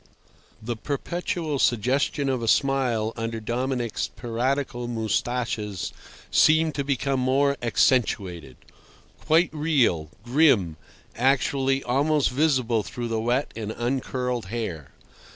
The perpetual suggestion of a smile under Dominic's piratical moustaches seemed to become more accentuated—quite real, grim, actually almost visible through the wet and uncurled hair.